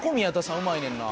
うまいねんな。